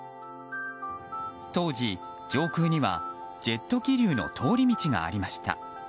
当時、上空にはジェット気流の通り道がありました。